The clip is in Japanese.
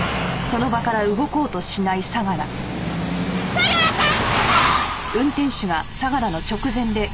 相良さん！